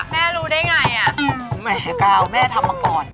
แม่รู้ได้อย่างไร